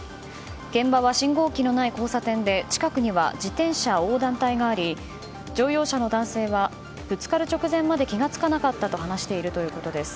現場は信号機のない交差点で近くには自転車横断帯があり乗用車の男性はぶつかる直前まで気が付かなかったと話しているということです。